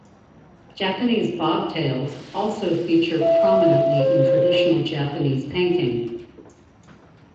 Japanese Bobtails also feature prominently in traditional Japanese painting.